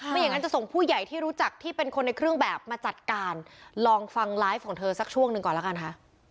อย่างนั้นจะส่งผู้ใหญ่ที่รู้จักที่เป็นคนในเครื่องแบบมาจัดการลองฟังไลฟ์ของเธอสักช่วงหนึ่งก่อนแล้วกันค่ะ